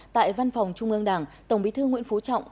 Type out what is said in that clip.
tại văn phòng trung ương đảng tổng bí thư nguyễn phú trọng